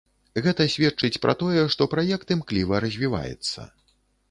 Гэта сведчыць пра тое, што праект імкліва развіваецца.